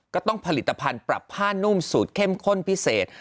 ก็ต้องผลิตภัณฑ์ปรับผ้านุ่มสูตรเข้มข้นพิเศษ